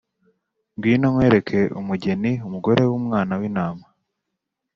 “Ngwino nkwereke umugeni, umugore w’Umwana w’Intama.”